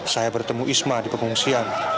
saya bertemu isma di pengungsian